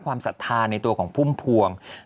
ศรัทธาในตัวของพุ่มพวง